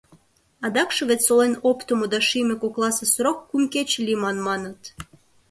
Адакше вет солен оптымо да шийме кокласе срок кум кече лийман, маныт.